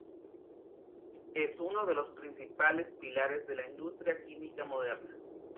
Es uno de los principales pilares de la industria química moderna.